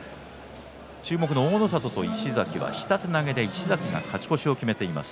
注目の大の里と石崎は下手投げで石崎が勝ち越しを決めています。